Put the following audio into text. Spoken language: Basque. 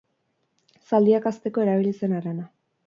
Zaldiak hazteko erabili zen harana.